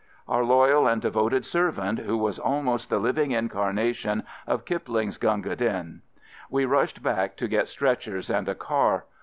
Our loyal and devoted servant who was almost the living incarnation of Kipling's Gunga Din. We rushed back to get stretchers and a car.